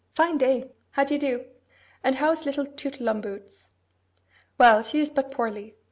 Fine day. How do you do? And how is little Tootleumboots?' 'Well, she is but poorly.